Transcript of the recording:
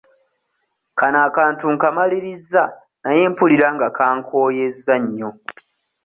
Kano akantu nkamalirizza naye mpulira nga kankooyezza nnyo.